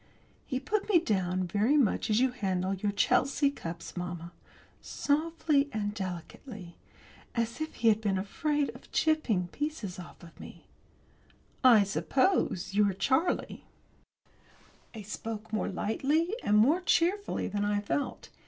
He put me down very much as you handle your Chelsea cups, mamma softly and delicately, as if he had been afraid of chipping pieces off me. "I suppose you're Charlie?" I spoke more lightly and more cheerfully than I felt.